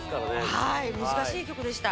はい難しい曲でした。